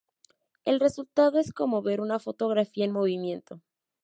El resultado es como ver una fotografía en movimiento.